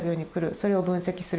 それを分析する。